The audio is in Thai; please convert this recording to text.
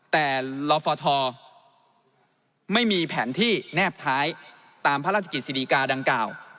แต่ลฟทไม่มีแผนที่แนบท้ายตามพระราชกิจศิริกาดังกล่าว